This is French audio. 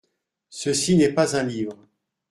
Ceci n’est pas un livre.